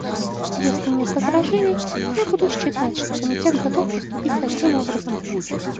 Если нет возражений, я буду считать, что Комитет готов поступить таким образом.